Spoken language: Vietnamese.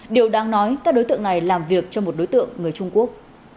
điều đáng nói các đối tượng này làm việc cho một đối tượng người trung quốc